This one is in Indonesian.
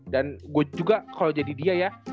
dan gue juga kalo jadi dia ya